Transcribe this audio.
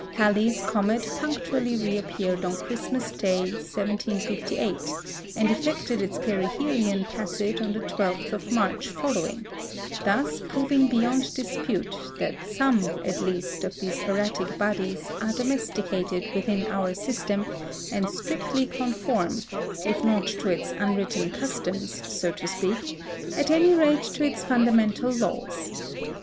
Halley's comet punctually reappeared on Christmas Day, 1758, and effected its perihelion passage on the 12th of March following, thus proving beyond dispute that some at least of these erratic bodies are domesticated within our system, and strictly conform, if not to its unwritten customs (so to speak), at any rate to its fundamental laws.